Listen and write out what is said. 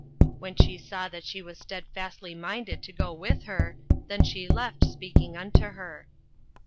08:001:018 When she saw that she was stedfastly minded to go with her, then she left speaking unto her.